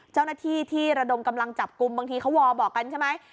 เจ้าหน้าที่ที่ระดมกำลังจับกลุ่มบางทีเขาวอลบอกกันใช่ไหม